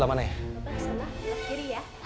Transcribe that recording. jangan aja ya